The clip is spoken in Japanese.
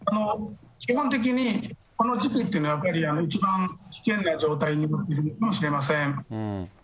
基本的に、この時期っていうのはやっぱり一番危険な状態なのかもしれません。